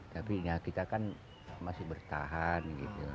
tapi kita kan masih bertahan